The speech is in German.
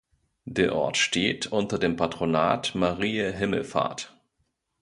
Der Ort steht unter dem Patronat Mariä Himmelfahrt.